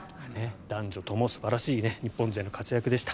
男女とも素晴らしい日本勢の活躍でした。